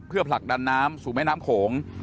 เพื่อผลักดันน้ำสู่แม่น้ำโขง